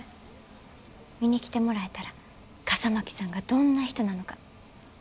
見に来てもらえたら笠巻さんがどんな人なのか伝わると思います。